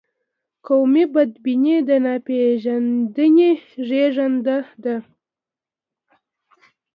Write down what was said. قومي بدبیني د ناپېژندنې زیږنده ده.